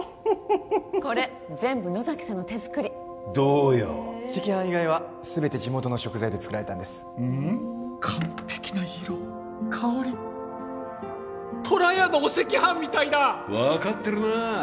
これ全部野崎さんの手作りどうよ赤飯以外は全て地元の食材で作られたんです完璧な色香りとらやのお赤飯みたいだ分かってるな